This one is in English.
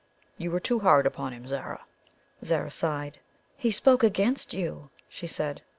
You were too hard upon him, Zara!" Zara sighed. "He spoke against you," she said.